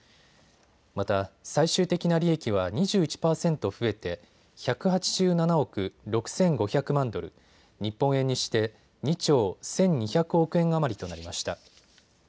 また最終的な利益は２１％増えて１８７億６５００万ドル、日本円にして２兆１２００億円余りとなりました。